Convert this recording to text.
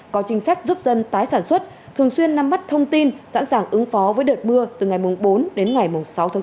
có chính sách giúp dân tái sản xuất thường xuyên nắm mắt thông tin sẵn sàng ứng phó với đợt mưa từ ngày bốn đến ngày sáu tháng bốn